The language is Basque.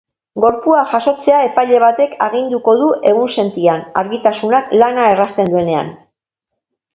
Gorpua jasotzea epaile batek aginduko du egunsentian, argitasunak lana errazten duenean.